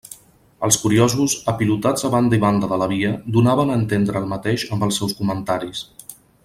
Els curiosos, apilotats a banda i banda de la via, donaven a entendre el mateix amb els seus comentaris.